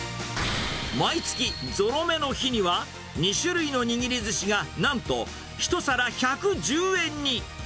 毎月ぞろ目の日には、２種類の握りずしが、なんと１皿１１０円に。